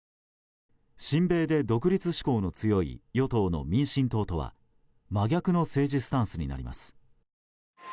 親米で独立志向の強い与党の民進党とは真逆の政治スタンスになります。